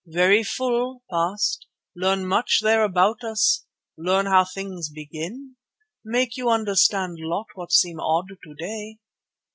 Very full, past, learn much there about all us; learn how things begin. Make you understand lot what seem odd to day.